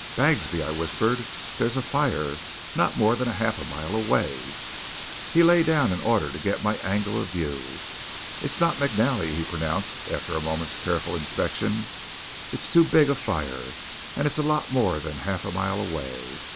"Bagsby," I whispered, "there's a fire not more than a half mile away." He too lay down in order to get my angle of view. "It's not McNally," he pronounced after a moment's careful inspection, "for it's too big a fire, and it's a lot more than half a mile away.